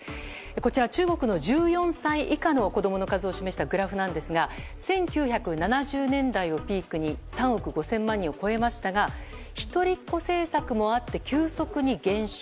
こちら、中国の１４歳以下の子供の数を示したグラフなんですが１９７０年代をピークに３億５０００万円を超えましたが一人っ子政策もあって急速に減少。